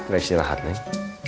neng istri rahat neng